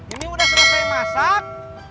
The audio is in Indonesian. ini udah selesai masak